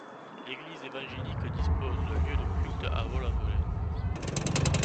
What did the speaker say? L'église évangélique dispose d'un lieu de culte à Vaulx-en-Velin.